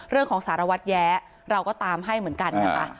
เรื่องของสารวัตยแยะเราก็ตามให้เหมือนกันนะคะ